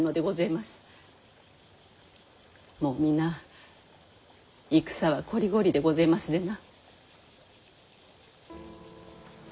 もう皆戦はこりごりでごぜえますでな。